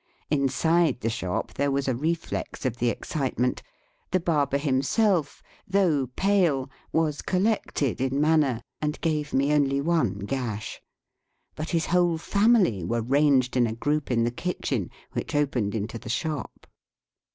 Inside the shop there was a reflex of the excitement. The barber himself, though pale, was collected in manner, and gave me only one gash. But his whole family were ranged in a group in the kitchen, which opened into the shop.